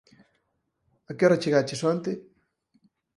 A que hora chegaches onte?